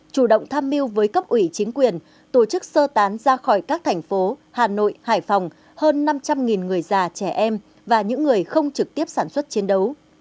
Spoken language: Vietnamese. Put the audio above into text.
chủ động tham mưu với cấp ủy chính quyền tổ chức sơ tán ra khỏi các thành phố hà nội hải phòng hơn năm trăm linh người già trẻ em và những người không trực tiếp sản xuất chiến đấu